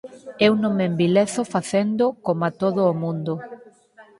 Eu non me envilezo facendo coma todo o mundo.